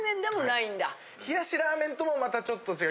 冷しラーメンともまたちょっと違う。